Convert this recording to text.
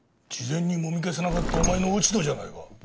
事前にもみ消せなかったお前の落ち度じゃないか。